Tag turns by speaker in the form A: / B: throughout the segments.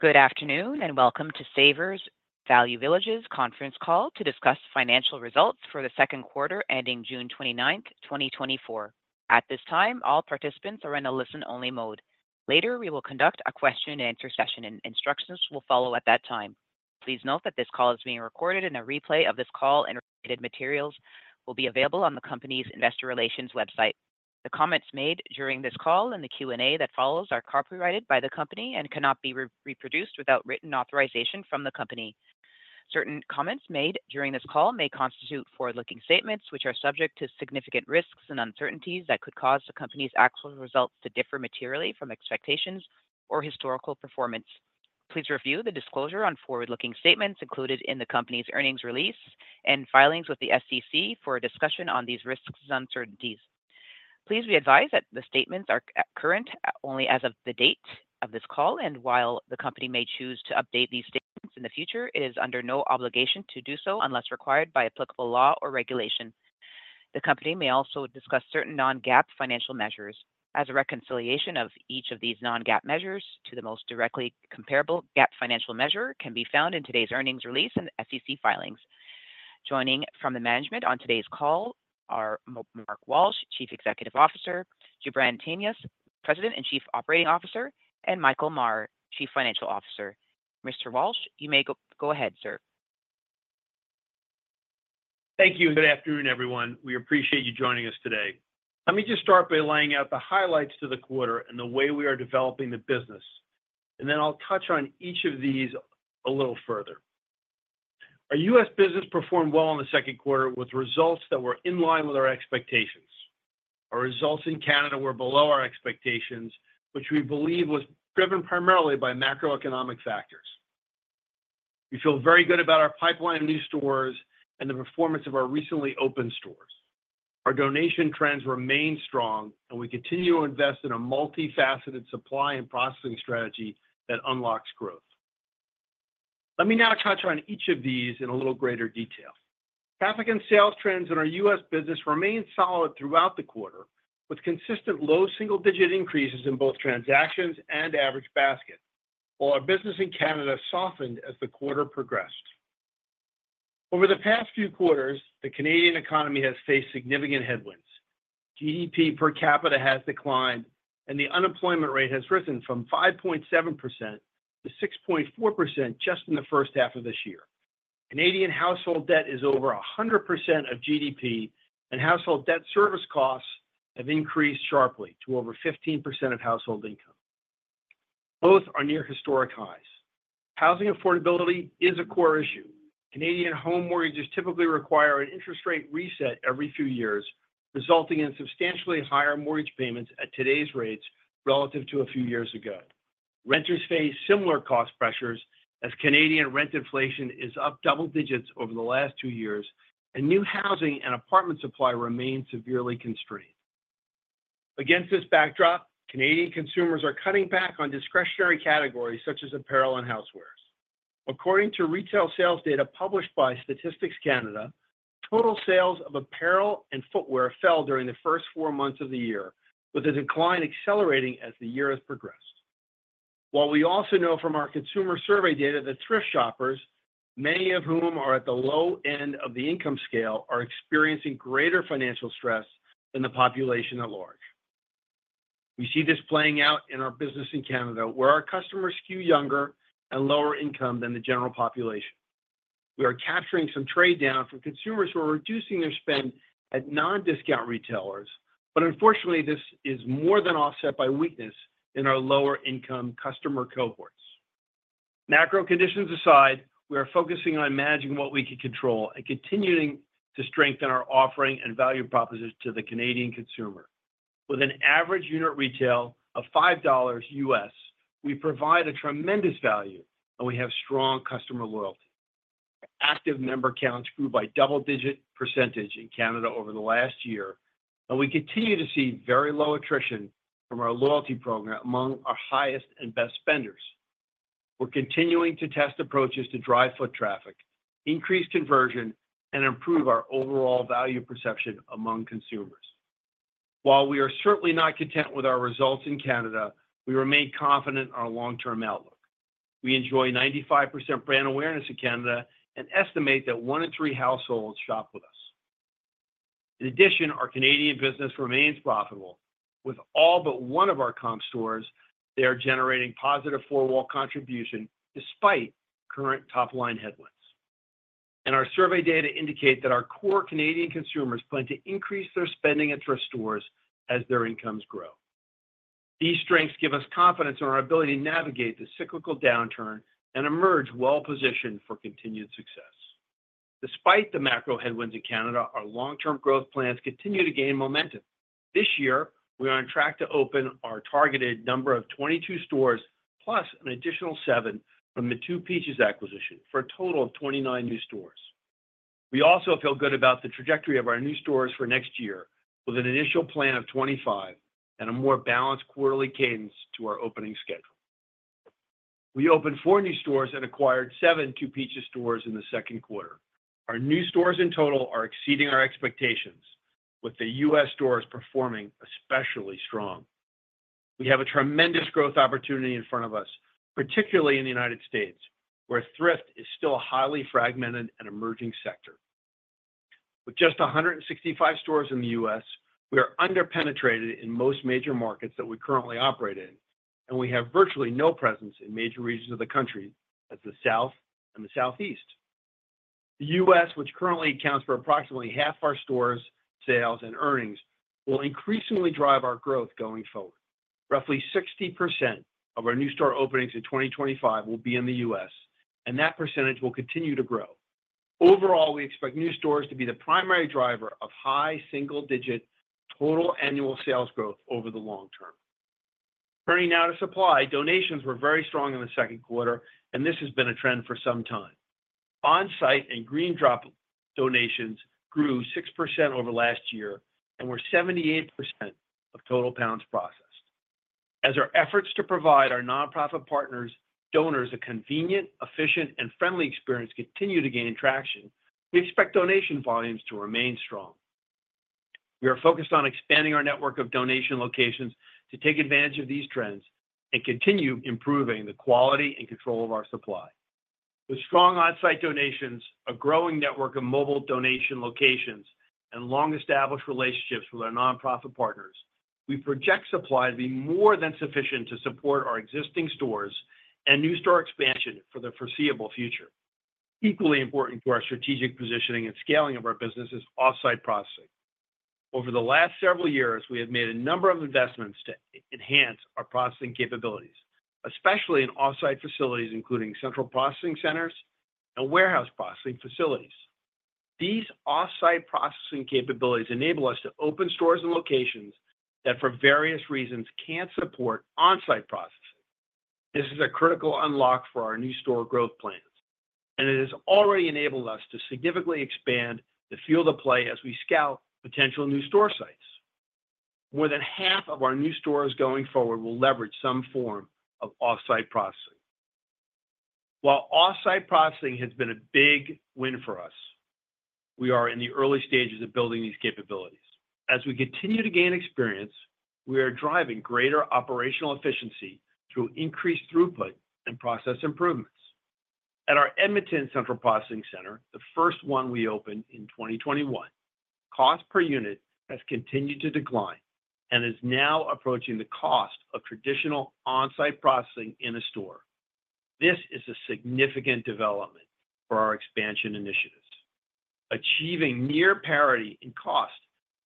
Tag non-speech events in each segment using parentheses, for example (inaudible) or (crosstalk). A: Good afternoon, and welcome to Savers Value Village's conference call to discuss financial results for the second quarter ending June 29th, 2024. At this time, all participants are in a listen-only mode. Later, we will conduct a question and answer session, and instructions will follow at that time. Please note that this call is being recorded, and a replay of this call and related materials will be available on the company's investor relations website. The comments made during this call and the Q&A that follows are copyrighted by the company and cannot be reproduced without written authorization from the company. Certain comments made during this call may constitute forward-looking statements, which are subject to significant risks and uncertainties that could cause the company's actual results to differ materially from expectations or historical performance. Please review the disclosure on forward-looking statements included in the company's earnings release and filings with the SEC for a discussion on these risks and uncertainties. Please be advised that the statements are current only as of the date of this call, and while the company may choose to update these statements in the future, it is under no obligation to do so unless required by applicable law or regulation. The company may also discuss certain non-GAAP financial measures, as a reconciliation of each of these non-GAAP measures to the most directly comparable GAAP financial measure can be found in today's earnings release and SEC filings. Joining from the management on today's call are Mark Walsh, Chief Executive Officer, Jubran Tanious, President and Chief Operating Officer, and Michael Maher, Chief Financial Officer. Mr. Walsh, you may go ahead, sir.
B: Thank you, and good afternoon, everyone. We appreciate you joining us today. Let me just start by laying out the highlights to the quarter and the way we are developing the business, and then I'll touch on each of these a little further. Our U.S. business performed well in the second quarter with results that were in line with our expectations. Our results in Canada were below our expectations, which we believe was driven primarily by macroeconomic factors. We feel very good about our pipeline of new stores and the performance of our recently opened stores. Our donation trends remain strong, and we continue to invest in a multifaceted supply and processing strategy that unlocks growth. Let me now touch on each of these in a little greater detail. Traffic and sales trends in our U.S. business remained solid throughout the quarter, with consistent low single-digit increases in both transactions and average basket, while our business in Canada softened as the quarter progressed. Over the past few quarters, the Canadian economy has faced significant headwinds. GDP per capita has declined, and the unemployment rate has risen from 5.7% - 6.4% just in the first half of this year. Canadian household debt is over 100% of GDP, and household debt service costs have increased sharply to over 15% of household income. Both are near historic highs. Housing affordability is a core issue. Canadian home mortgages typically require an interest rate reset every few years, resulting in substantially higher mortgage payments at today's rates relative to a few years ago. Renters face similar cost pressures as Canadian rent inflation is up double digits over the last 2 years, and new housing and apartment supply remain severely constrained. Against this backdrop, Canadian consumers are cutting back on discretionary categories such as apparel and housewares. According to retail sales data published by Statistics Canada, total sales of apparel and footwear fell during the first 4 months of the year, with the decline accelerating as the year has progressed. While we also know from our consumer survey data that thrift shoppers, many of whom are at the low end of the income scale, are experiencing greater financial stress than the population at large. We see this playing out in our business in Canada, where our customers skew younger and lower income than the general population. We are capturing some trade-down from consumers who are reducing their spend at non-discount retailers, but unfortunately, this is more than offset by weakness in our lower-income customer cohorts. Macro conditions aside, we are focusing on managing what we can control and continuing to strengthen our offering and value proposition to the Canadian consumer. With an average unit retail of $5, we provide a tremendous value, and we have strong customer loyalty. Active member counts grew by double-digit % in Canada over the last year, and we continue to see very low attrition from our loyalty program among our highest and best spenders. We're continuing to test approaches to drive foot traffic, increase conversion, and improve our overall value perception among consumers. While we are certainly not content with our results in Canada, we remain confident in our long-term outlook. We enjoy 95% brand awareness in Canada and estimate that 1 in 3 households shop with us. In addition, our Canadian business remains profitable. With all but one of our comp stores, they are generating positive 4-wall contribution despite current top-line headwinds. Our survey data indicate that our core Canadian consumers plan to increase their spending at thrift stores as their incomes grow. These strengths give us confidence in our ability to navigate the cyclical downturn and emerge well-positioned for continued success. Despite the macro headwinds in Canada, our long-term growth plans continue to gain momentum. This year, we are on track to open our targeted number of 22 stores, plus an additional 7 from the 2 Peaches acquisition, for a total of 29 new stores. We also feel good about the trajectory of our new stores for next year, with an initial plan of 25 and a more balanced quarterly cadence to our opening schedule. We opened 4 new stores and acquired 7 2 Peaches stores in the second quarter. Our new stores in total are exceeding our expectations, with the U.S. stores performing especially strong. We have a tremendous growth opportunity in front of us, particularly in the United States, where thrift is still a highly fragmented and emerging sector. With just 165 stores in the U.S., we are under-penetrated in most major markets that we currently operate in, and we have virtually no presence in major regions of the country, as the South and the Southeast. The U.S., which currently accounts for approximately half our stores' sales and earnings, will increasingly drive our growth going forward. Roughly 60% of our new store openings in 2025 will be in the U.S., and that percentage will continue to grow. Overall, we expect new stores to be the primary driver of high single-digit total annual sales growth over the long term. Turning now to supply. Donations were very strong in the second quarter, and this has been a trend for some time. On-site and GreenDrop donations grew 6% over last year and were 78% of total pounds processed. As our efforts to provide our nonprofit partners, donors, a convenient, efficient, and friendly experience continue to gain traction, we expect donation volumes to remain strong. We are focused on expanding our network of donation locations to take advantage of these trends and continue improving the quality and control of our supply. With strong on-site donations, a growing network of mobile donation locations, and long-established relationships with our nonprofit partners, we project supply to be more than sufficient to support our existing stores and new store expansion for the foreseeable future. Equally important to our strategic positioning and scaling of our business is off-site processing. Over the last several years, we have made a number of investments to enhance our processing capabilities, especially in off-site facilities, including central processing centers and warehouse processing facilities. These off-site processing capabilities enable us to open stores and locations that, for various reasons, can't support on-site processing. This is a critical unlock for our new store growth plans, and it has already enabled us to significantly expand the field of play as we scout potential new store sites. More than half of our new stores going forward will leverage some form of off-site processing. While off-site processing has been a big win for us, we are in the early stages of building these capabilities. As we continue to gain experience, we are driving greater operational efficiency through increased throughput and process improvements. At our Edmonton Central Processing Center, the first one we opened in 2021, cost per unit has continued to decline and is now approaching the cost of traditional on-site processing in a store. This is a significant development for our expansion initiatives. Achieving near parity in cost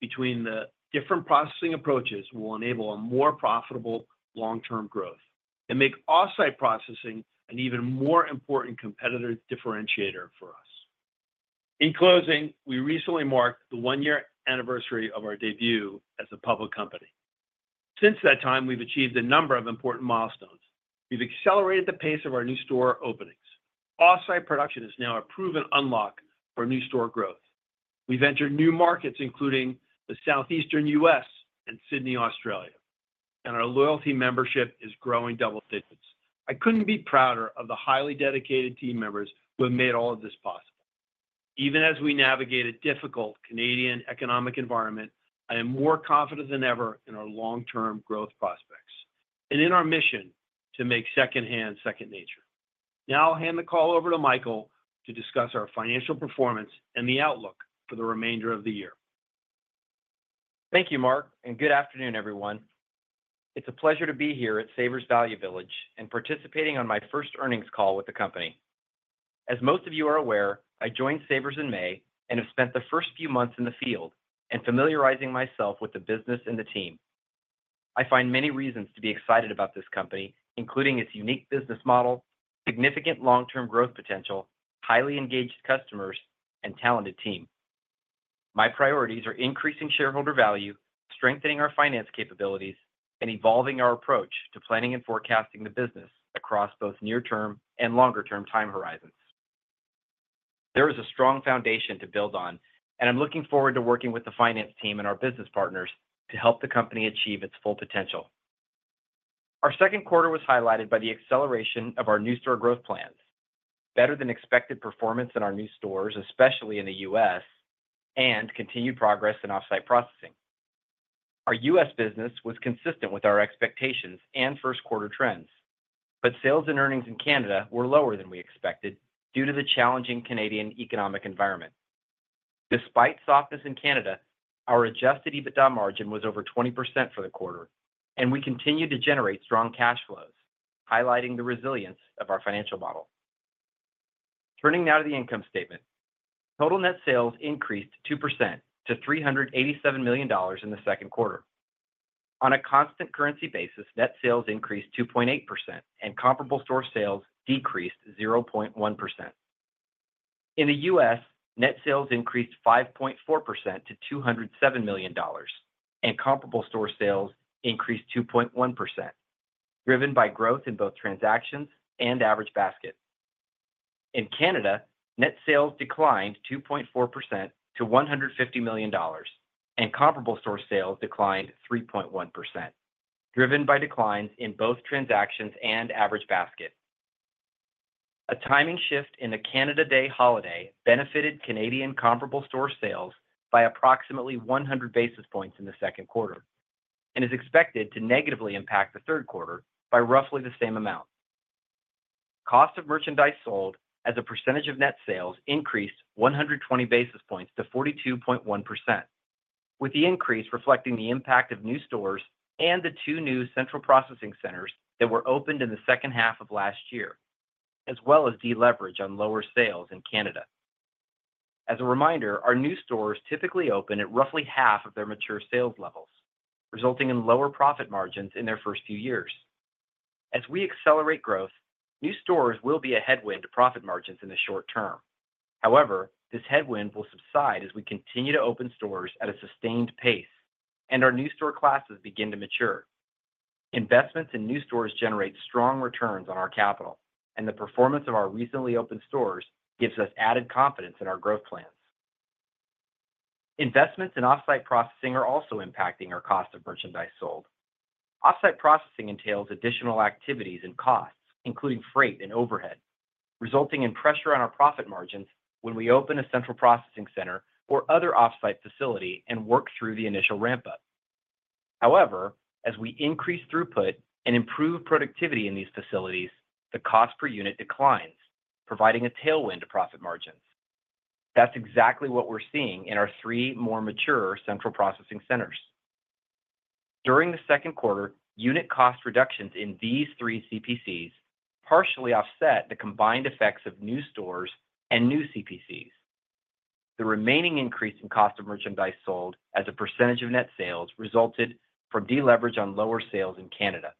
B: between the different processing approaches will enable a more profitable long-term growth and make off-site processing an even more important competitive differentiator for us. In closing, we recently marked the one-year anniversary of our debut as a public company. Since that time, we've achieved a number of important milestones. We've accelerated the pace of our new store openings. Off-site processing is now a proven unlock for new store growth. We've entered new markets, including the southeastern U.S. and Sydney, Australia, and our loyalty membership is growing double digits. I couldn't be prouder of the highly dedicated team members who have made all of this possible. Even as we navigate a difficult Canadian economic environment, I am more confident than ever in our long-term growth prospects and in our mission to make secondhand second nature. Now I'll hand the call over to Michael to discuss our financial performance and the outlook for the remainder of the year.
C: Thank you, Mark, and good afternoon, everyone. It's a pleasure to be here at Savers Value Village and participating on my first earnings call with the company. As most of you are aware, I joined Savers in May and have spent the first few months in the field and familiarizing myself with the business and the team. I find many reasons to be excited about this company, including its unique business model, significant long-term growth potential, highly engaged customers, and talented team. My priorities are increasing shareholder value, strengthening our finance capabilities, and evolving our approach to planning and forecasting the business across both near-term and longer-term time horizons. There is a strong foundation to build on, and I'm looking forward to working with the finance team and our business partners to help the company achieve its full potential. Our second quarter was highlighted by the acceleration of our new store growth plans, better than expected performance in our new stores, especially in the U.S., and continued progress in off-site processing. Our U.S. business was consistent with our expectations and first quarter trends, but sales and earnings in Canada were lower than we expected due to the challenging Canadian economic environment. Despite softness in Canada, our adjusted EBITDA margin was over 20% for the quarter, and we continued to generate strong cash flows, highlighting the resilience of our financial model. Turning now to the income statement. Total net sales increased 2% to $387 million in the second quarter. On a constant currency basis, net sales increased 2.8%, and comparable store sales decreased 0.1%.In the Cost of merchandise sold as a percentage of net sales increased 100 basis points to 42.1%, with the increase reflecting the impact of new stores and the 2 new central processing centers that were opened in the second half of last year, as well as deleverage on lower sales in Canada. As a reminder, our new stores typically open at roughly half of their mature sales levels, resulting in lower profit margins in their first few years. As we accelerate growth, new stores will be a headwind to profit margins in the short term. However, this headwind will subside as we continue to open stores at a sustained pace and our new store classes begin to mature. Investments in new stores generate strong returns on our capital, and the performance of our recently opened stores gives us added confidence in our growth plans. Investments in off-site processing are also impacting our cost of merchandise sold. Off-site processing entails additional activities and costs, including freight and overhead, resulting in pressure on our profit margins when we open a central processing center or other off-site facility and work through the initial ramp-up. However, as we increase throughput and improve productivity in these facilities, the cost per unit declines, providing a tailwind to profit margins. That's exactly what we're seeing in our three more mature central processing centers. During the second quarter, unit cost reductions in these three CPCs partially offset the combined effects of new stores and new CPCs. The remaining increase in cost of merchandise sold as a percentage of net sales resulted from deleverage on lower sales in Canada.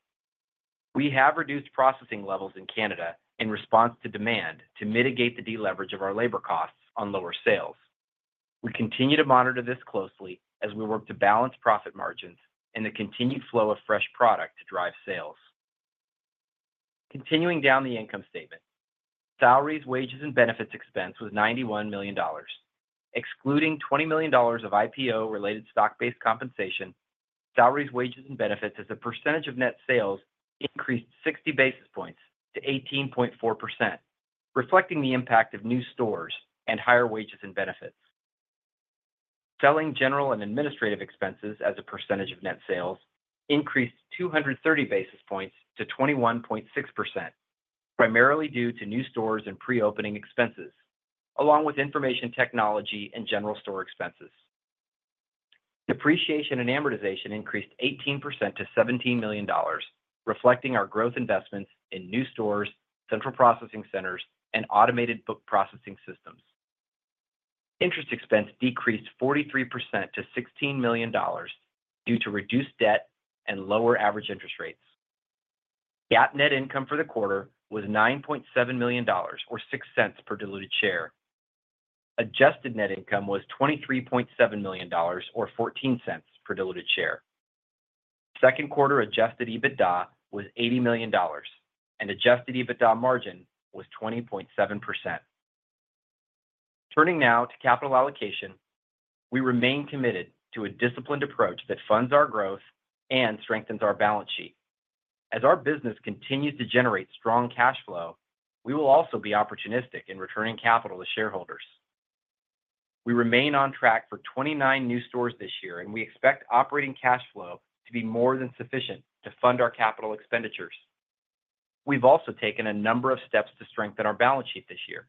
C: We have reduced processing levels in Canada in response to demand to mitigate the deleverage of our labor costs on lower sales. We continue to monitor this closely as we work to balance profit margins and the continued flow of fresh product to drive sales. Continuing down the income statement, salaries, wages, and benefits expense was $91 million, excluding $20 million of IPO-related stock-based compensation. Salaries, wages, and benefits as a percentage of net sales increased 60 basis points to 18.4%, reflecting the impact of new stores and higher wages and benefits. Selling, general, and administrative expenses as a percentage of net sales increased 230 basis points to 21.6%, primarily due to new stores and pre-opening expenses, along with information technology and general store expenses. Depreciation and amortization increased 18% to $17 million, reflecting our growth investments in new stores, central processing centers, and automated book processing systems. Interest expense decreased 43% to $16 million due to reduced debt and lower average interest rates. GAAP net income for the quarter was $9.7 million, or $0.06 per diluted share. Adjusted net income was $23.7 million, or $0.14 per diluted share. Second quarter adjusted EBITDA was $80 million, and adjusted EBITDA margin was 20.7%. Turning now to capital allocation, we remain committed to a disciplined approach that funds our growth and strengthens our balance sheet. As our business continues to generate strong cash flow, we will also be opportunistic in returning capital to shareholders. We remain on track for 29 new stores this year, and we expect operating cash flow to be more than sufficient to fund our capital expenditures. We've also taken a number of steps to strengthen our balance sheet this year.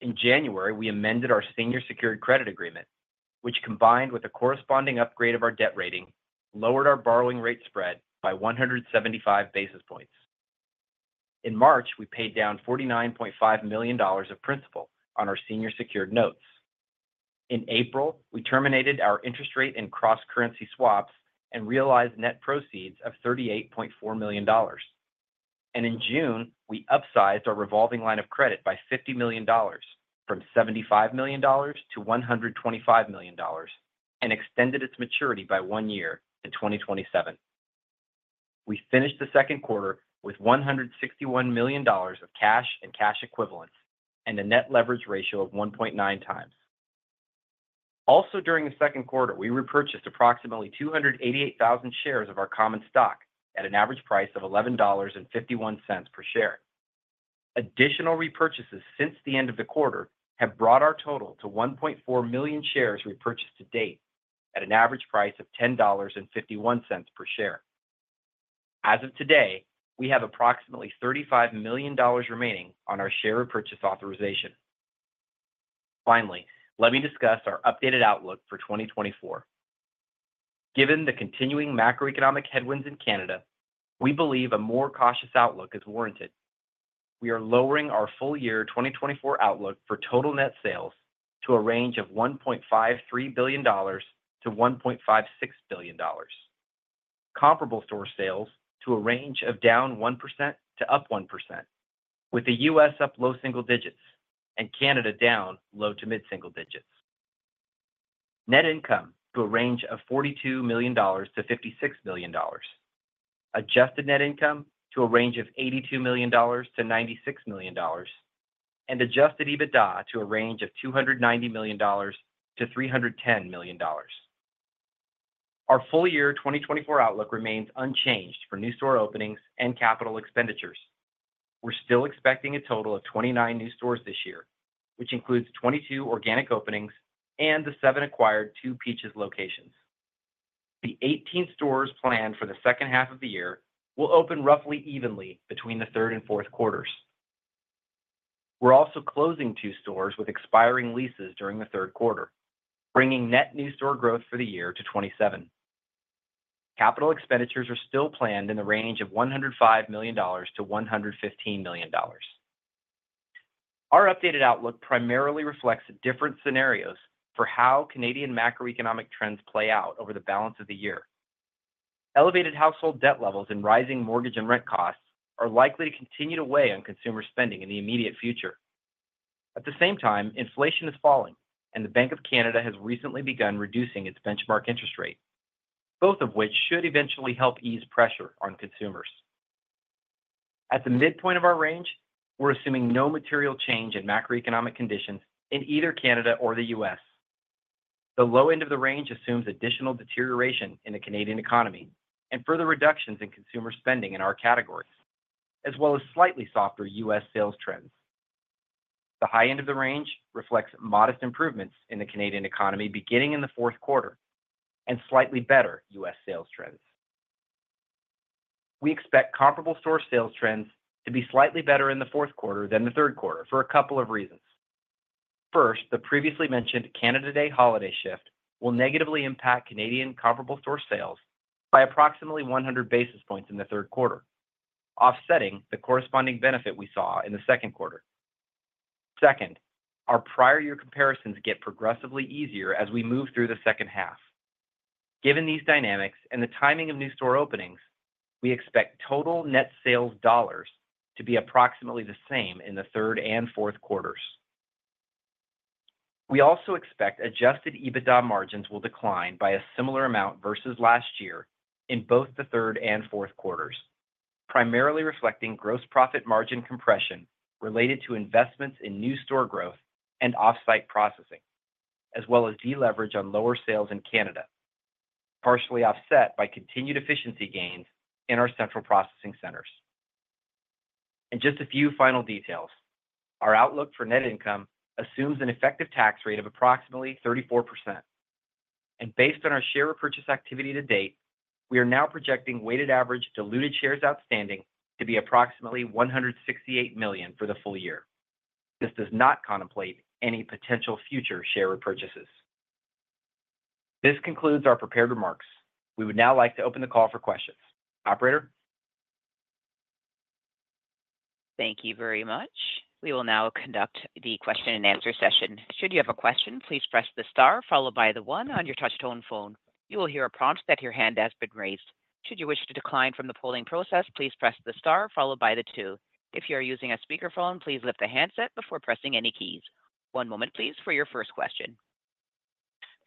C: In January, we amended our senior secured credit agreement, which, combined with a corresponding upgrade of our debt rating, lowered our borrowing rate spread by 175 basis points. In March, we paid down $49.5 million of principal on our senior secured notes. In April, we terminated our interest rate and cross-currency swaps and realized net proceeds of $38.4 million. And in June, we upsized our revolving line of credit by $50 million from $75 million to $125 million and extended its maturity by one year to 2027. We finished the second quarter with $161 million of cash and cash equivalents, and a net leverage ratio of 1.9 times. Also, during the second quarter, we repurchased approximately 288,000 shares of our common stock at an average price of $11.51 per share. Additional repurchases since the end of the quarter have brought our total to 1.4 million shares repurchased to date at an average price of $10.51 per share. As of today, we have approximately $35 million remaining on our share repurchase authorization. Finally, let me discuss our updated outlook for 2024. Given the continuing macroeconomic headwinds in Canada, we believe a more cautious outlook is warranted. We are lowering our full year 2024 outlook for total net sales to a range of $1.53 billion-$1.56 billion. Comparable store sales to a range of down 1% to up 1%, with the U.S. up low single digits and Canada down low to mid-single digits. Net income to a range of $42,000,000-$56,000,000. Adjusted net income to a range of $82,000,000-$96,000,000. Adjusted EBITDA to a range of $290,000,000-$310,000,000. Our full year 2024 outlook remains unchanged for new store openings and capital expenditures. We're still expecting a total of 29 new stores this year, which includes 22 organic openings and the 7 acquired 2 Peaches locations. The 18 stores planned for the second half of the year will open roughly evenly between the third and fourth quarters. We're also closing two stores with expiring leases during the third quarter, bringing net new store growth for the year to 27. Capital expenditures are still planned in the range of $105,000,000-$115,000,000. Our updated outlook primarily reflects different scenarios for how Canadian macroeconomic trends play out over the balance of the year. Elevated household debt levels and rising mortgage and rent costs are likely to continue to weigh on consumer spending in the immediate future. At the same time, inflation is falling, and the Bank of Canada has recently begun reducing its benchmark interest rate, both of which should eventually help ease pressure on consumers. At the midpoint of our range, we're assuming no material change in macroeconomic conditions in either Canada or the U.S. The low end of the range assumes additional deterioration in the Canadian economy and further reductions in consumer spending in our categories, as well as slightly softer U.S. sales trends. The high end of the range reflects modest improvements in the Canadian economy, beginning in the fourth quarter, and slightly better U.S. sales trends. We expect comparable store sales trends to be slightly better in the fourth quarter than the third quarter for a couple of reasons. First, the previously mentioned Canada Day holiday shift will negatively impact Canadian comparable store sales by approximately 100 basis points in the third quarter, offsetting the corresponding benefit we saw in the second quarter. Second, our prior year comparisons get progressively easier as we move through the second half. Given these dynamics and the timing of new store openings, we expect total net sales dollars to be approximately the same in the third and fourth quarters. We also expect adjusted EBITDA margins will decline by a similar amount versus last year in both the third and fourth quarters, primarily reflecting gross profit margin compression related to investments in new store growth and off-site processing, as well as deleverage on lower sales in Canada, partially offset by continued efficiency gains in our central processing centers. And just a few final details. Our outlook for net income assumes an effective tax rate of approximately 34%. And based on our share repurchase activity to date, we are now projecting weighted average diluted shares outstanding to be approximately 168 million for the full year. This does not contemplate any potential future share repurchases. This concludes our prepared remarks. We would now like to open the call for questions. Operator?
A: Thank you very much. We will now conduct the question and answer session. Should you have a question, please press the star followed by the one on your touchtone phone. You will hear a prompt that your hand has been raised. Should you wish to decline from the polling process, please press the star followed by the two. If you are using a speakerphone, please lift the handset before pressing any keys. One moment, please, for your first question.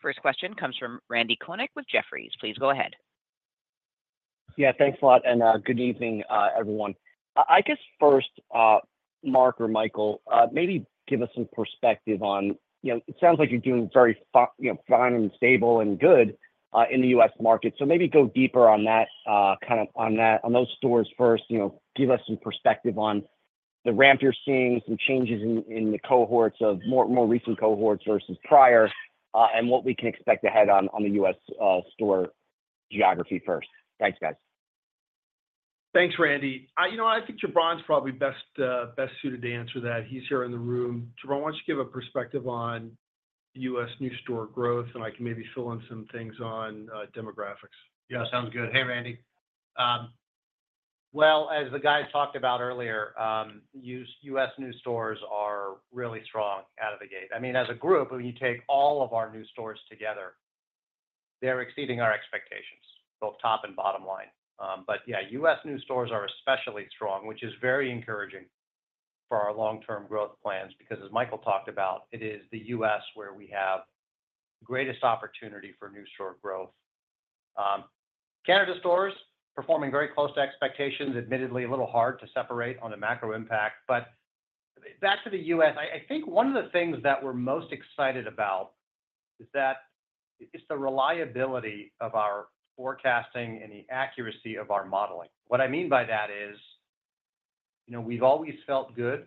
A: First question comes from Randy Konik with Jefferies. Please go ahead.
D: Yeah, thanks a lot, and good evening, everyone. I guess first, Mark or Michael, maybe give us some perspective on... You know, it sounds like you're doing very you know, fine and stable and good in the U.S. market. So maybe go deeper on that, kind of on that, on those stores first, you know, give us some perspective on the ramp you're seeing, some changes in the cohorts of more recent cohorts versus prior, and what we can expect to head on, on the U.S. store geography first. Thanks, guys.
B: Thanks, Randy. You know what? I think Jubran's probably best suited to answer that. He's here in the room. Jubran, why don't you give a perspective on U.S. new store growth, and I can maybe fill in some things on demographics?
E: Yeah, sounds good. Hey, Randy. Well, as the guys talked about earlier, U.S., U.S. new stores are really strong out of the gate. I mean, as a group, when you take all of our new stores together, they're exceeding our expectations, both top and bottom line. But yeah, U.S. new stores are especially strong, which is very encouraging for our long-term growth plans, because as Michael talked about, it is the U.S. where we have the greatest opportunity for new store growth. Canada stores, performing very close to expectations, admittedly, a little hard to separate on the macro impact. But back to the U.S., I think one of the things that we're most excited about is that it's the reliability of our forecasting and the accuracy of our modeling. What I mean by that is, you know, we've always felt good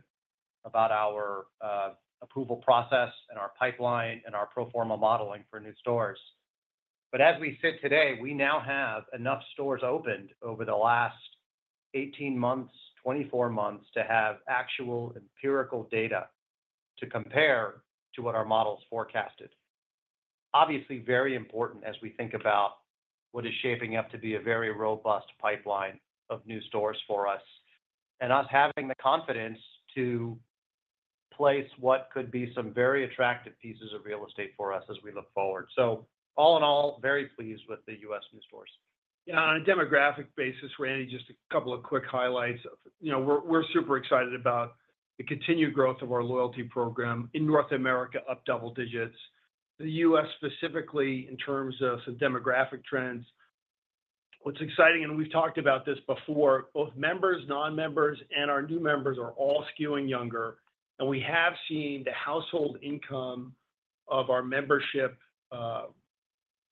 E: about our approval process and our pipeline and our pro forma modeling for new stores. But as we sit today, we now have enough stores opened over the last 18 months, 24 months to have actual empirical data to compare to what our models forecasted. Obviously, very important as we think about what is shaping up to be a very robust pipeline of new stores for us, and us having the confidence to place what could be some very attractive pieces of real estate for us as we look forward. So all in all, very pleased with the U.S. new stores.
B: Yeah, on a demographic basis, Randy, just a couple of quick highlights. You know, we're super excited about the continued growth of our loyalty program in North America, up double digits. The U.S., specifically, in terms of some demographic trends.... What's exciting, and we've talked about this before, both members, non-members, and our new members are all skewing younger, and we have seen the household income of our membership,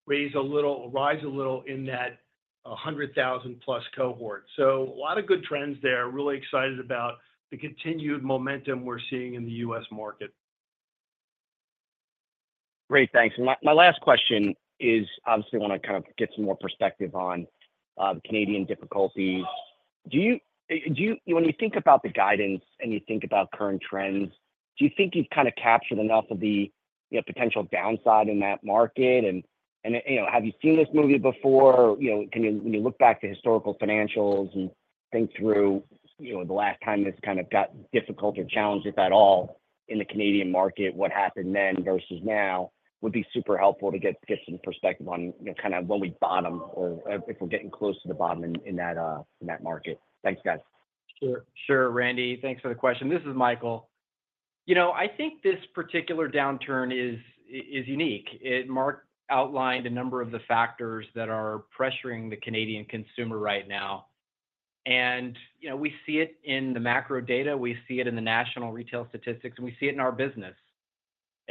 B: raise a little—rise a little in that 100,000+ cohort. So a lot of good trends there. Really excited about the continued momentum we're seeing in the U.S. market.
D: Great, thanks. And my, my last question is, obviously, I wanna kind of get some more perspective on the Canadian difficulties. Do you, do you, when you think about the guidance, and you think about current trends, do you think you've kind of captured enough of the potential downside in that market? And, and, you know, have you seen this movie before? You know, can you, when you look back to historical financials and think through, you know, the last time this kind of got difficult or challenged, if at all, in the Canadian market, what happened then versus now? Would be super helpful to get, get some perspective on, you know, kind of when we bottom or if we're getting close to the bottom in, in that, in that market. Thanks, guys.
C: Sure. Sure, Randy. Thanks for the question. This is Michael. You know, I think this particular downturn is unique. And Mark outlined a number of the factors that are pressuring the Canadian consumer right now. And, you know, we see it in the macro data, we see it in the national retail statistics, and we see it in our business.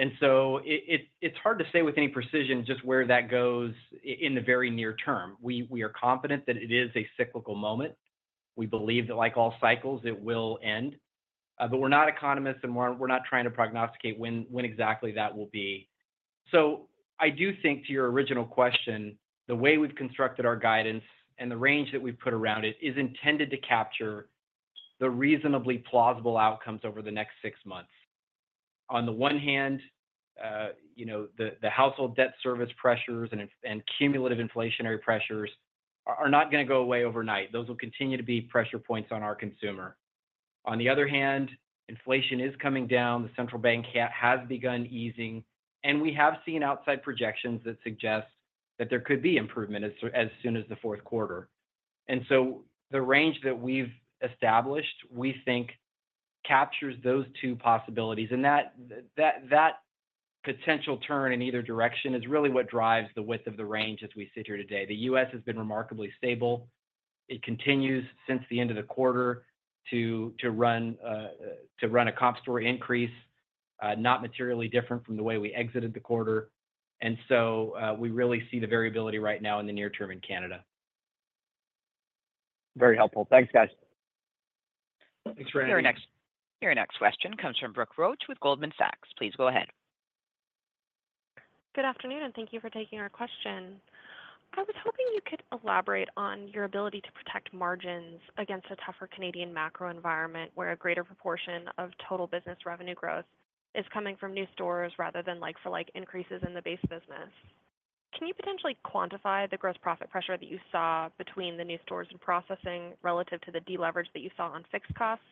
C: And so it's hard to say with any precision just where that goes in the very near term. We are confident that it is a cyclical moment. We believe that, like all cycles, it will end. But we're not economists, and we're not trying to prognosticate when exactly that will be. So I do think, to your original question, the way we've constructed our guidance and the range that we've put around it is intended to capture the reasonably plausible outcomes over the next six months. On the one hand, you know, the household debt service pressures and cumulative inflationary pressures are not gonna go away overnight. Those will continue to be pressure points on our consumer. On the other hand, inflation is coming down, the central bank has begun easing, and we have seen outside projections that suggest that there could be improvement as soon as the fourth quarter. And so the range that we've established, we think, captures those two possibilities, and that potential turn in either direction is really what drives the width of the range as we sit here today. The U.S. has been remarkably stable. It continues, since the end of the quarter, to run a comp store increase, not materially different from the way we exited the quarter, and so, we really see the variability right now in the near term in Canada.
D: Very helpful. Thanks, guys.
E: Thanks, Randy. (crosstalk)
A: Your next question comes from Brooke Roach with Goldman Sachs. Please go ahead.
F: Good afternoon, and thank you for taking our question. I was hoping you could elaborate on your ability to protect margins against a tougher Canadian macro environment, where a greater proportion of total business revenue growth is coming from new stores rather than like-for-like increases in the base business. Can you potentially quantify the gross profit pressure that you saw between the new stores and processing relative to the deleverage that you saw on fixed costs?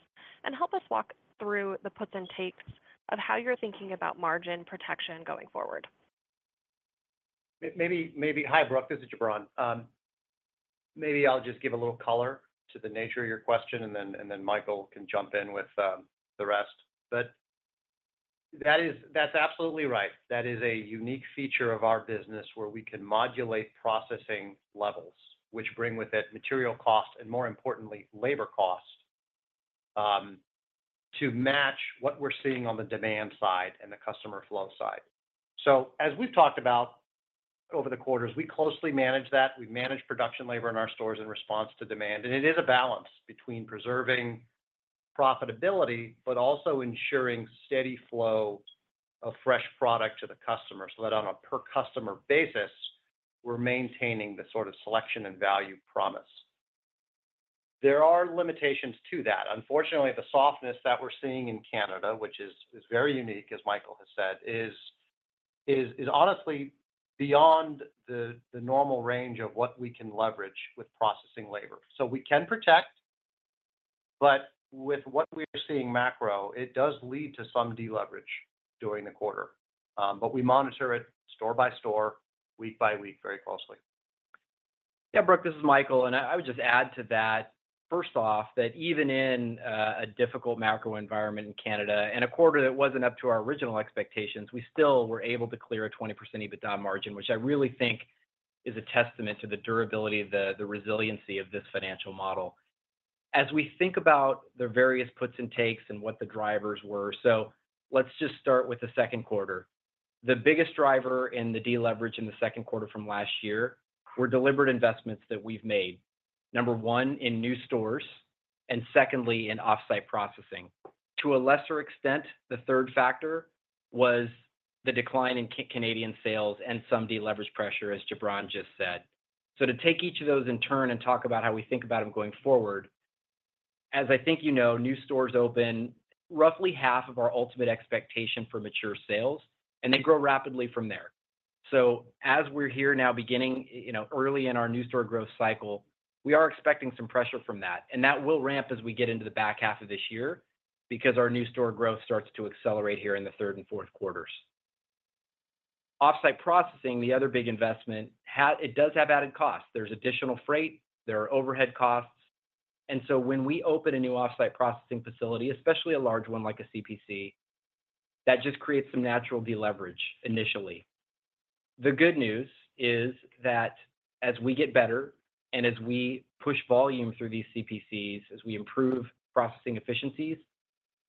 F: Help us walk through the puts and takes of how you're thinking about margin protection going forward.
E: Hi, Brooke, this is Jubran. Maybe I'll just give a little color to the nature of your question, and then, and then Michael can jump in with the rest. But that is. That's absolutely right. That is a unique feature of our business where we can modulate processing levels, which bring with it material costs, and more importantly, labor costs, to match what we're seeing on the demand side and the customer flow side. So as we've talked about over the quarters, we closely manage that. We manage production labor in our stores in response to demand, and it is a balance between preserving profitability but also ensuring steady flow of fresh product to the customer so that on a per-customer basis, we're maintaining the sort of selection and value promise. There are limitations to that. Unfortunately, the softness that we're seeing in Canada, which is very unique, as Michael has said, is honestly beyond the normal range of what we can leverage with processing labor. So we can protect, but with what we're seeing macro, it does lead to some deleverage during the quarter. But we monitor it store by store, week by week, very closely.
C: Yeah, Brooke, this is Michael, and I would just add to that, first off, that even in a difficult macro environment in Canada and a quarter that wasn't up to our original expectations, we still were able to clear a 20% EBITDA margin, which I really think is a testament to the durability of the resiliency of this financial model. As we think about the various puts and takes and what the drivers were, so let's just start with the second quarter. The biggest driver in the deleverage in the second quarter from last year were deliberate investments that we've made, number one, in new stores, and secondly, in off-site processing. To a lesser extent, the third factor was the decline in Canadian sales and some deleverage pressure, as Jubran just said. So to take each of those in turn and talk about how we think about them going forward, as I think you know, new stores open roughly half of our ultimate expectation for mature sales, and they grow rapidly from there. So as we're here now, beginning, you know, early in our new store growth cycle, we are expecting some pressure from that, and that will ramp as we get into the back half of this year because our new store growth starts to accelerate here in the third and fourth quarters. Off-site processing, the other big investment, it does have added costs. There's additional freight, there are overhead costs, and so when we open a new off-site processing facility, especially a large one like a CPC, that just creates some natural deleverage initially. The good news is that as we get better, and as we push volume through these CPCs, as we improve processing efficiencies,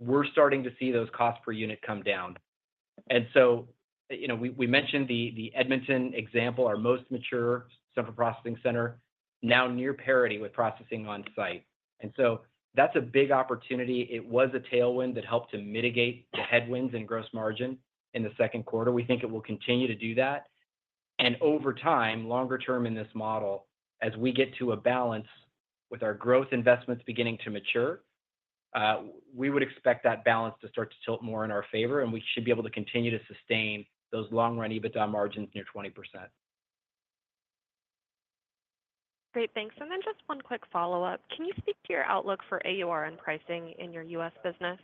C: we're starting to see those costs per unit come down. And so, you know, we mentioned the Edmonton example, our most mature central processing center, now near parity with processing on site. And so that's a big opportunity. It was a tailwind that helped to mitigate the headwinds in gross margin in the second quarter. We think it will continue to do that. And over time, longer term in this model, as we get to a balance with our growth investments beginning to mature, we would expect that balance to start to tilt more in our favor, and we should be able to continue to sustain those long-run EBITDA margins near 20%.
F: Great, thanks. And then just one quick follow-up. Can you speak to your outlook for AUR and pricing in your U.S. business?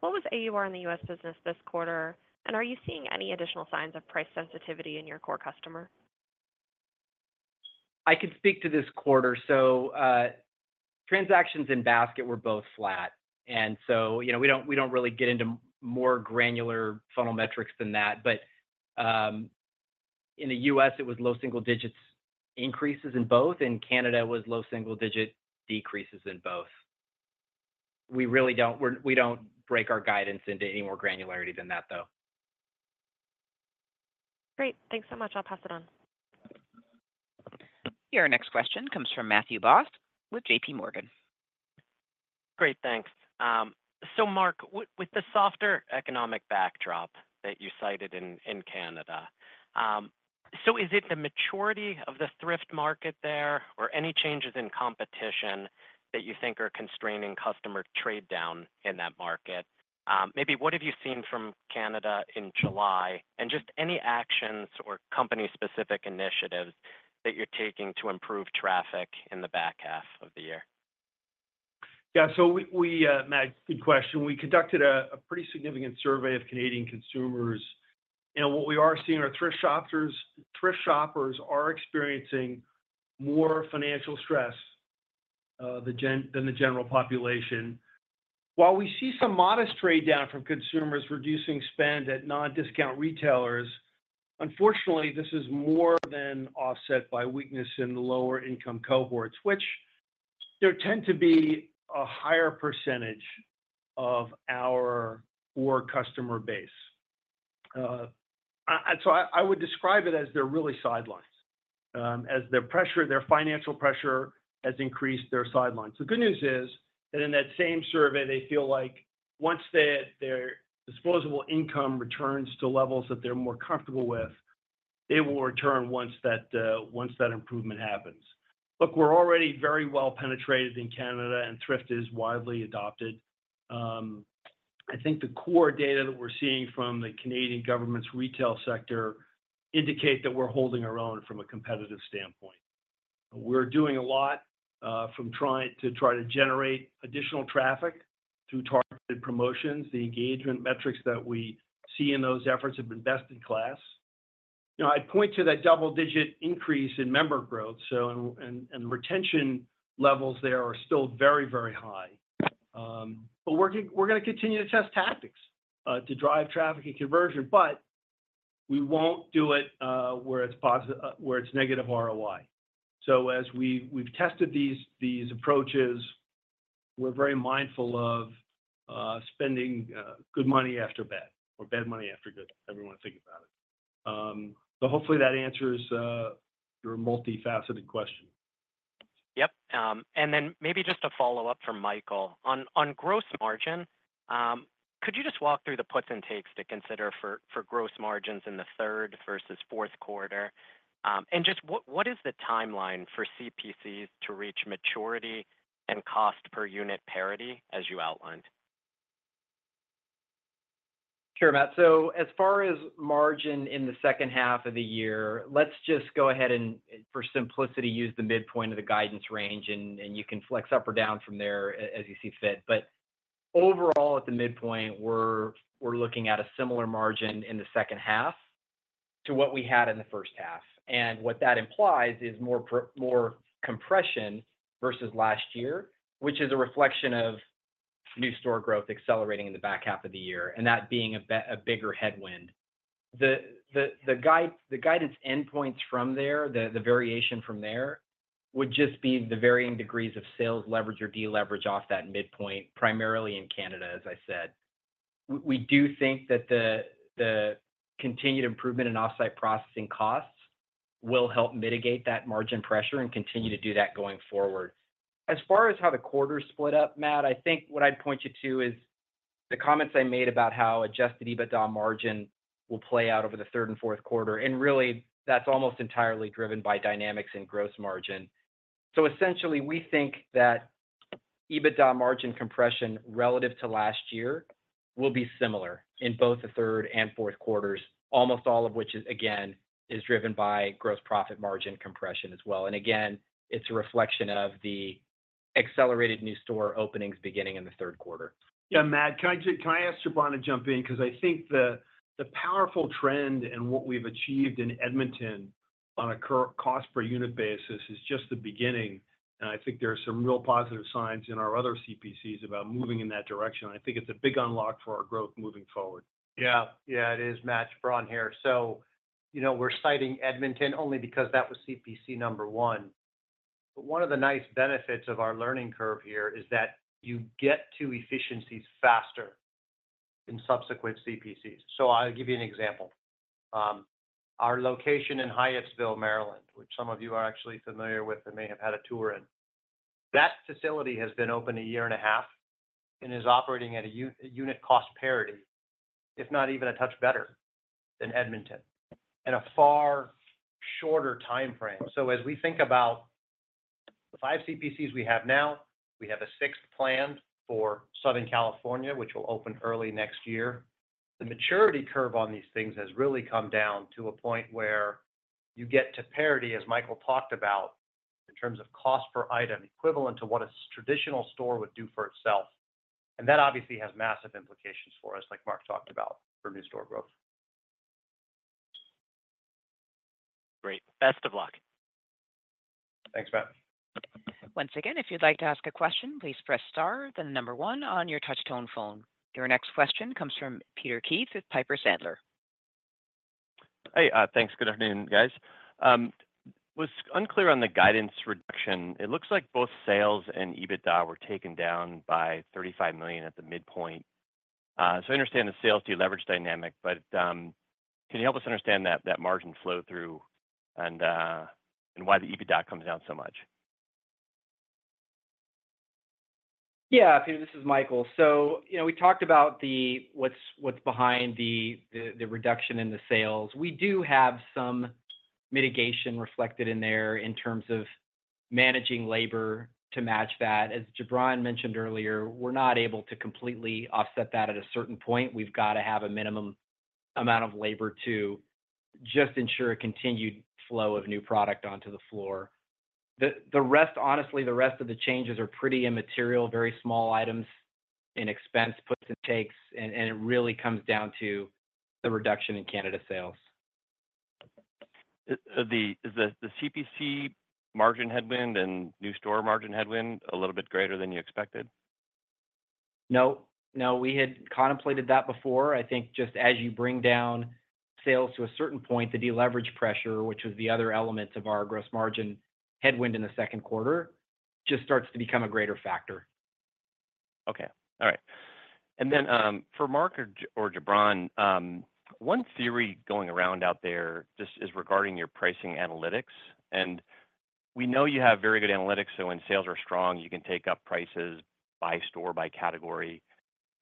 F: What was AUR in the U.S. business this quarter, and are you seeing any additional signs of price sensitivity in your core customer?
C: I can speak to this quarter. So, transactions in basket were both flat, and so, you know, we don't, we don't really get into more granular funnel metrics than that. But, in the U.S., it was low single digits increases in both, and Canada was low single digit decreases in both. We really don't break our guidance into any more granularity than that, though.
F: Great. Thanks so much. I'll pass it on.
A: Your next question comes from Matthew Boss with J.P. Morgan.
G: Great, thanks. So Mark, with the softer economic backdrop that you cited in Canada, so is it the maturity of the thrift market there, or any changes in competition that you think are constraining customer trade down in that market? Maybe what have you seen from Canada in July? And just any actions or company-specific initiatives that you're taking to improve traffic in the back half of the year.
B: Yeah, so we, Matt, good question. We conducted a pretty significant survey of Canadian consumers, and what we are seeing are thrift shoppers. Thrift shoppers are experiencing more financial stress than the general population. While we see some modest trade-down from consumers reducing spend at non-discount retailers, unfortunately, this is more than offset by weakness in the lower-income cohorts, which there tend to be a higher percentage of our core customer base. So I would describe it as they're really sidelined. As their financial pressure has increased, they're sidelined. The good news is that in that same survey, they feel like once their disposable income returns to levels that they're more comfortable with, they will return once that improvement happens. Look, we're already very well penetrated in Canada, and thrift is widely adopted. I think the core data that we're seeing from the Canadian government's retail sector indicate that we're holding our own from a competitive standpoint. We're doing a lot to generate additional traffic through targeted promotions. The engagement metrics that we see in those efforts have been best in class. You know, I'd point to that double-digit increase in member growth, so retention levels there are still very, very high. But we're gonna continue to test tactics to drive traffic and conversion, but we won't do it where it's negative ROI. So we've tested these approaches, we're very mindful of spending good money after bad or bad money after good, however you want to think about it. So hopefully that answers your multifaceted question.
G: Yep, and then maybe just a follow-up from Michael. On gross margin, could you just walk through the puts and takes to consider for gross margins in the third versus fourth quarter? And just what is the timeline for CPCs to reach maturity and cost per unit parity, as you outlined?
C: Sure, Matt. So as far as margin in the second half of the year, let's just go ahead and, for simplicity, use the midpoint of the guidance range, and you can flex up or down from there as you see fit. But overall, at the midpoint, we're looking at a similar margin in the second half to what we had in the first half, and what that implies is more compression versus last year, which is a reflection of new store growth accelerating in the back half of the year, and that being a bigger headwind. The guidance endpoints from there, the variation from there, would just be the varying degrees of sales leverage or deleverage off that midpoint, primarily in Canada, as I said. We do think that the continued improvement in off-site processing costs will help mitigate that margin pressure and continue to do that going forward. As far as how the quarters split up, Matt, I think what I'd point you to is the comments I made about how adjusted EBITDA margin will play out over the third and fourth quarter, and really, that's almost entirely driven by dynamics in gross margin. So essentially, we think that EBITDA margin compression relative to last year will be similar in both the third and fourth quarters, almost all of which is, again, driven by gross profit margin compression as well. And again, it's a reflection of the accelerated new store openings beginning in the third quarter.
B: Yeah, Matt, can I ask Jubran to jump in? Because I think the powerful trend in what we've achieved in Edmonton on a cost per unit basis is just the beginning, and I think there are some real positive signs in our other CPCs about moving in that direction. I think it's a big unlock for our growth moving forward.
E: Yeah. Yeah, it is, Matt, Jubran here. So, you know, we're citing Edmonton only because that was CPC number one. But one of the nice benefits of our learning curve here is that you get to efficiencies faster in subsequent CPCs. So I'll give you an example. Our location in Hyattsville, Maryland, which some of you are actually familiar with and may have had a tour in, that facility has been open a year and a half and is operating at a unit cost parity, if not even a touch better than Edmonton, in a far shorter timeframe. So as we think about the 5 CPCs we have now, we have a sixth planned for Southern California, which will open early next year. The maturity curve on these things has really come down to a point where you get to parity, as Michael talked about, in terms of cost per item, equivalent to what a traditional store would do for itself, and that obviously has massive implications for us, like Mark talked about, for new store growth.
G: Great. Best of luck.
E: Thanks, Matt.
A: Once again, if you'd like to ask a question, please press star, then 1 on your touch tone phone. Your next question comes from Peter Keith with Piper Sandler.
H: Hey, thanks. Good afternoon, guys. Was unclear on the guidance reduction. It looks like both sales and EBITDA were taken down by $35 million at the midpoint. So I understand the sales deleverage dynamic, but, can you help us understand that, that margin flow-through and, and why the EBITDA comes down so much?
C: Yeah, Peter, this is Michael. So, you know, we talked about what's behind the reduction in the sales. We do have some mitigation reflected in there in terms of managing labor to match that. As Jubran mentioned earlier, we're not able to completely offset that at a certain point. We've got to have a minimum amount of labor to just ensure a continued flow of new product onto the floor. The rest, honestly, the rest of the changes are pretty immaterial, very small items in expense, puts and takes, and it really comes down to the reduction in Canada sales.
H: Is the CPC margin headwind and new store margin headwind a little bit greater than you expected?
C: No. No, we had contemplated that before. I think just as you bring down sales to a certain point, the deleverage pressure, which was the other element of our gross margin headwind in the second quarter, just starts to become a greater factor.
H: Okay. All right. And then, for Mark or Jubran, one theory going around out there just is regarding your pricing analytics, and we know you have very good analytics, so when sales are strong, you can take up prices by store, by category.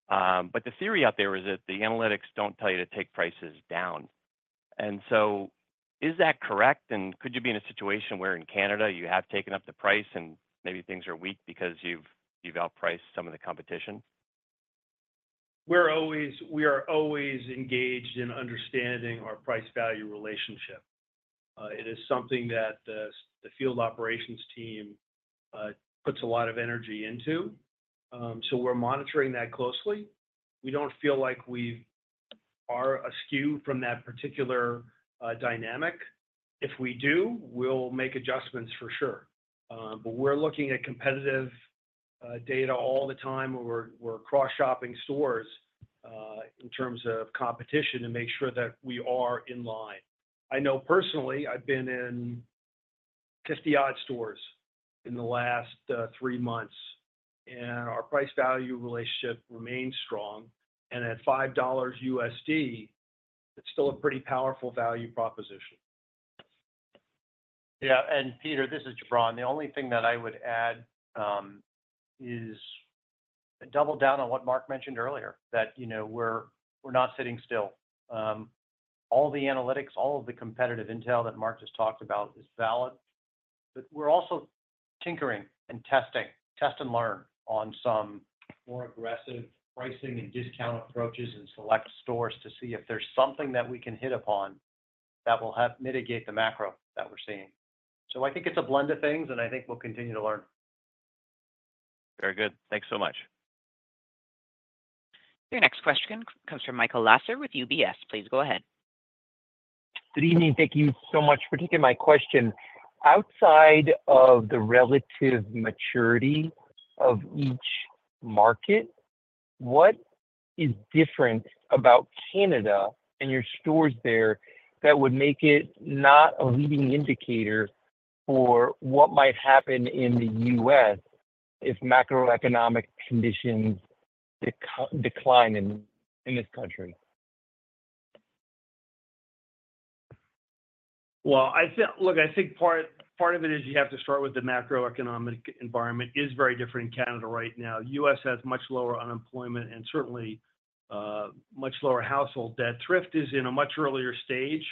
H: But the theory out there is that the analytics don't tell you to take prices down. And so is that correct? And could you be in a situation where in Canada you have taken up the price and maybe things are weak because you've, you've outpriced some of the competition?
B: We are always engaged in understanding our price value relationship. It is something that the field operations team puts a lot of energy into, so we're monitoring that closely. We don't feel like we are askew from that particular dynamic. If we do, we'll make adjustments for sure. But we're looking at competitive data all the time, where we're cross-shopping stores in terms of competition to make sure that we are in line. I know personally, I've been in 50-odd stores in the last 3 months, and our price value relationship remains strong. And at $5, it's still a pretty powerful value proposition.
E: Yeah, and Peter, this is Jubran. The only thing that I would add is double down on what Mark mentioned earlier, that, you know, we're not sitting still. All the analytics, all of the competitive intel that Mark just talked about is valid, but we're also tinkering and testing, test and learn on some more aggressive pricing and discount approaches in select stores to see if there's something that we can hit upon that will help mitigate the macro that we're seeing. So I think it's a blend of things, and I think we'll continue to learn.
H: Very good. Thanks so much.
A: Your next question comes from Michael Lasser with UBS. Please go ahead.
I: Good evening. Thank you so much for taking my question. Outside of the relative maturity of each market, what is different about Canada and your stores there that would make it not a leading indicator for what might happen in the U.S. if macroeconomic conditions decline in this country?
B: Well, I think, look, I think part of it is you have to start with the macroeconomic environment is very different in Canada right now. U.S. has much lower unemployment and certainly, much lower household debt. Thrift is in a much earlier stage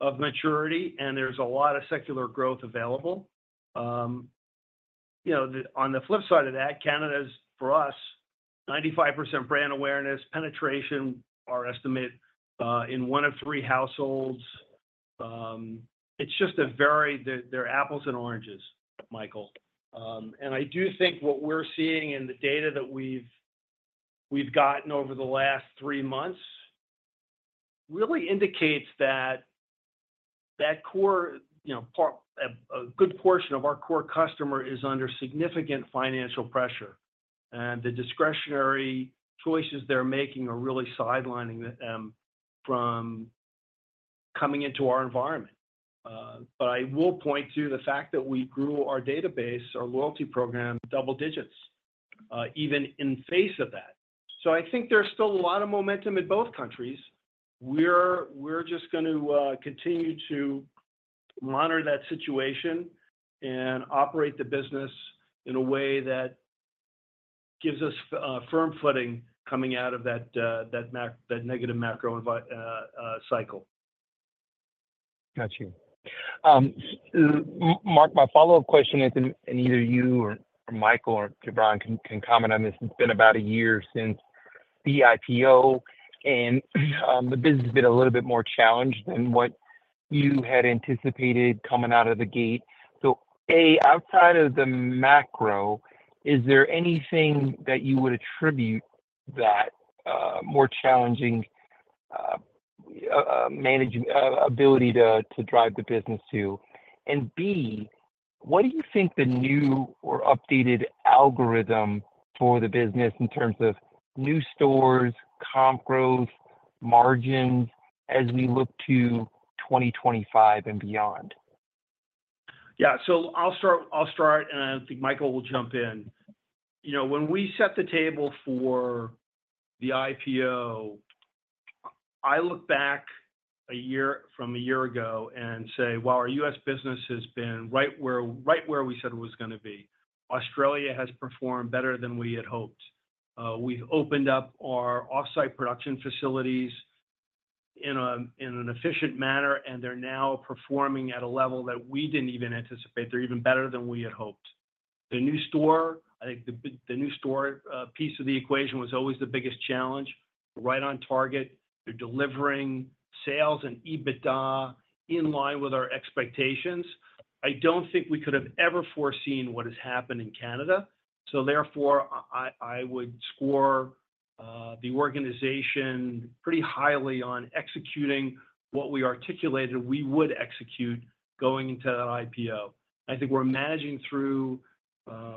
B: of maturity, and there's a lot of secular growth available. You know, on the flip side of that, Canada is, for us, 95% brand awareness, penetration, our estimate, in one of three households. It's just a very... They're apples and oranges, Michael. And I do think what we're seeing in the data that we've gotten over the last 3 months really indicates that core, you know, part, a good portion of our core customer is under significant financial pressure, and the discretionary choices they're making are really sidelining them from coming into our environment. But I will point to the fact that we grew our database, our loyalty program, double digits, even in face of that. So I think there's still a lot of momentum in both countries. We're just going to continue to monitor that situation and operate the business in a way that gives us firm footing coming out of that negative macro environment cycle.
I: Got you. Mark, my follow-up question is, and either you or Michael or Jubran can comment on this. It's been about a year since the IPO, and the business has been a little bit more challenged than what you had anticipated coming out of the gate. So, A, outside of the macro, is there anything that you would attribute that more challenging manageability to drive the business to? And, B, what do you think the new or updated algorithm for the business in terms of new stores, comp growth, margins as we look to 2025 and beyond?
B: Yeah. So I'll start, and I think Michael will jump in. You know, when we set the table for the IPO, I look back a year from a year ago and say: Well, our U.S. business has been right where we said it was gonna be. Australia has performed better than we had hoped. We've opened up our off-site processing facilities in an efficient manner, and they're now performing at a level that we didn't even anticipate. They're even better than we had hoped. The new store, I think the new store piece of the equation was always the biggest challenge. Right on target, they're delivering sales and EBITDA in line with our expectations. I don't think we could have ever foreseen what has happened in Canada, so therefore, I would score the organization pretty highly on executing what we articulated we would execute going into that IPO. I think we're managing through,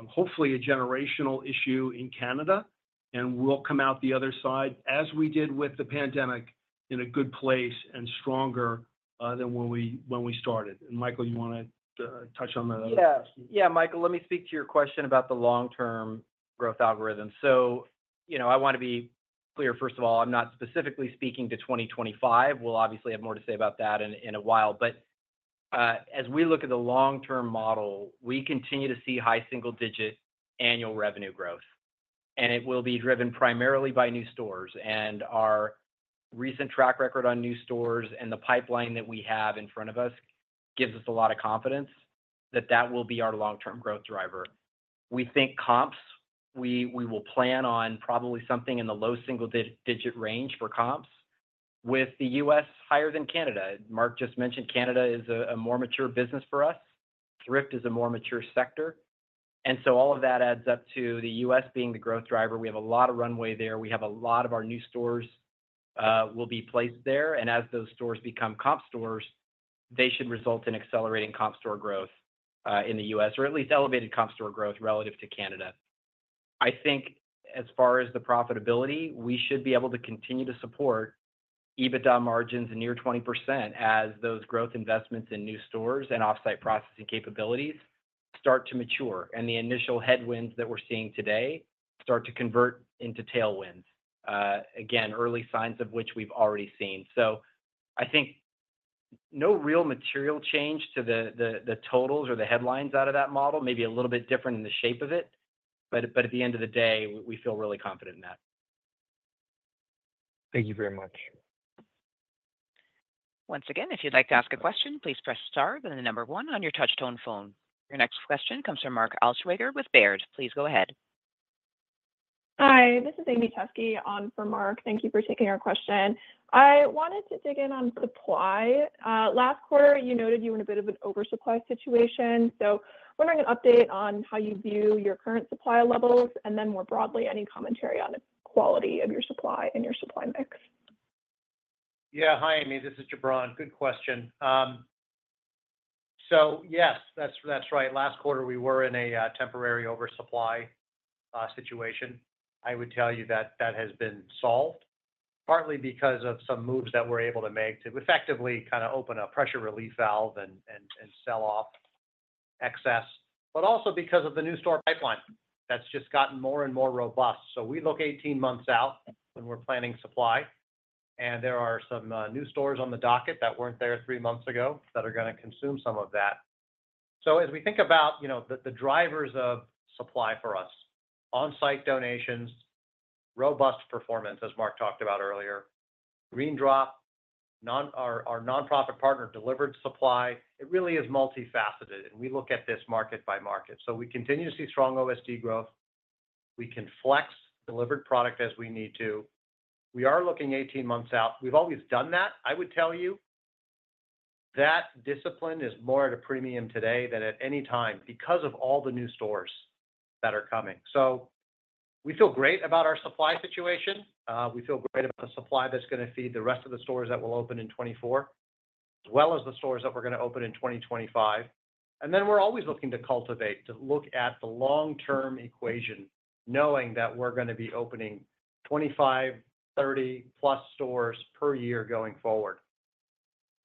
B: hopefully, a generational issue in Canada, and we'll come out the other side, as we did with the pandemic, in a good place and stronger than when we started. And, Michael, you wanna touch on that as well?
C: Yeah. Yeah, Michael, let me speak to your question about the long-term growth algorithm. So, you know, I wanna be clear, first of all, I'm not specifically speaking to 2025. We'll obviously have more to say about that in, in a while, but as we look at the long-term model, we continue to see high single-digit annual revenue growth, and it will be driven primarily by new stores. And our recent track record on new stores and the pipeline that we have in front of us gives us a lot of confidence that that will be our long-term growth driver. We think comps, we will plan on probably something in the low single-digit range for comps, with the U.S. higher than Canada. Mark just mentioned Canada is a more mature business for us. Thrift is a more mature sector, and so all of that adds up to the U.S. being the growth driver. We have a lot of runway there. We have a lot of our new stores will be placed there, and as those stores become comp stores, they should result in accelerating comp store growth in the U.S. or at least elevated comp store growth relative to Canada. I think as far as the profitability, we should be able to continue to support EBITDA margins near 20% as those growth investments in new stores and off-site processing capabilities start to mature, and the initial headwinds that we're seeing today start to convert into tailwinds. Again, early signs of which we've already seen. So I think no real material change to the totals or the headlines out of that model may be a little bit different in the shape of it, but at the end of the day, we feel really confident in that.
I: Thank you very much.
A: Once again, if you'd like to ask a question, please press star, then the number one on your touch tone phone. Your next question comes from Mark Altschwager with Baird. Please go ahead.
J: Hi, this is Amy Teske on for Mark. Thank you for taking our question. I wanted to dig in on supply. Last quarter, you noted you were in a bit of an oversupply situation, so wondering an update on how you view your current supply levels, and then more broadly, any commentary on the quality of your supply and your supply mix.
E: Yeah. Hi, Amy, this is Jubran. Good question. So yes, that's right. Last quarter, we were in a temporary oversupply situation. I would tell you that that has been solved, partly because of some moves that we're able to make to effectively kind of open a pressure relief valve and sell off excess, but also because of the new store pipeline that's just gotten more and more robust. So we look 18 months out when we're planning supply, and there are some new stores on the docket that weren't there 3 months ago that are gonna consume some of that. So as we think about, you know, the drivers of supply for us, on-site donations, robust performance, as Mark talked about earlier, GreenDrop, our nonprofit partner delivered supply. It really is multifaceted, and we look at this market by market. So we continue to see strong OSD growth. We can flex delivered product as we need to. We are looking 18 months out. We've always done that. I would tell you-... That discipline is more at a premium today than at any time because of all the new stores that are coming. So we feel great about our supply situation. We feel great about the supply that's gonna feed the rest of the stores that will open in 2024, as well as the stores that we're gonna open in 2025. And then we're always looking to cultivate, to look at the long-term equation, knowing that we're gonna be opening 25, 30+ stores per year going forward.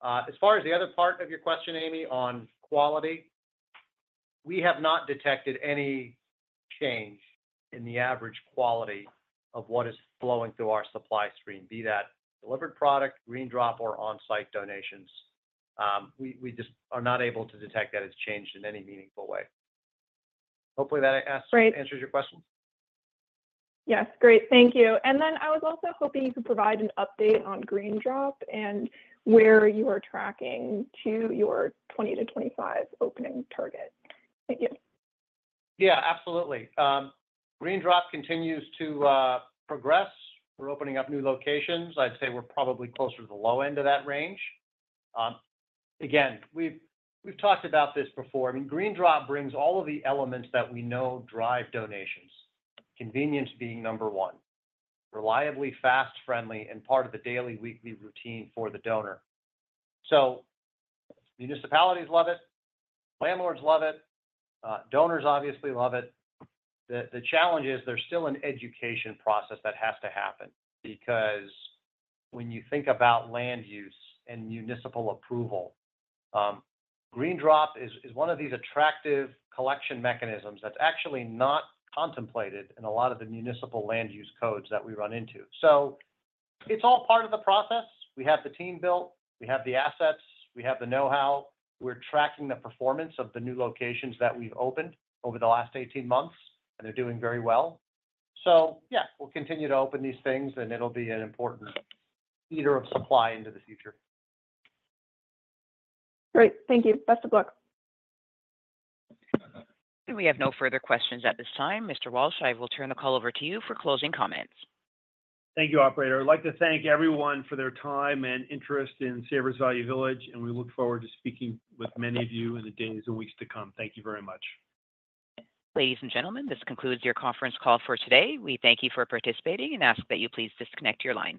E: As far as the other part of your question, Amy, on quality, we have not detected any change in the average quality of what is flowing through our supply stream, be that delivered product, GreenDrop, or on-site donations. We just are not able to detect that it's changed in any meaningful way. Hopefully, that ans-
J: Great...
E: answers your question.
J: Yes. Great, thank you. And then I was also hoping you could provide an update on GreenDrop and where you are tracking to your 20-25 opening target. Thank you.
E: Yeah, absolutely. GreenDrop continues to progress. We're opening up new locations. I'd say we're probably closer to the low end of that range. Again, we've talked about this before. I mean, GreenDrop brings all of the elements that we know drive donations, convenience being number one. Reliably fast, friendly, and part of the daily, weekly routine for the donor. So municipalities love it, landlords love it, donors obviously love it. The challenge is there's still an education process that has to happen because when you think about land use and municipal approval, GreenDrop is one of these attractive collection mechanisms that's actually not contemplated in a lot of the municipal land use codes that we run into. So it's all part of the process. We have the team built, we have the assets, we have the know-how. We're tracking the performance of the new locations that we've opened over the last 18 months, and they're doing very well. So yeah, we'll continue to open these things, and it'll be an important feeder of supply into the future.
J: Great. Thank you. Best of luck.
A: We have no further questions at this time. Mr. Walsh, I will turn the call over to you for closing comments.
B: Thank you, operator. I'd like to thank everyone for their time and interest in Savers Value Village, and we look forward to speaking with many of you in the days and weeks to come. Thank you very much.
A: Ladies and gentlemen, this concludes your conference call for today. We thank you for participating and ask that you please disconnect your lines.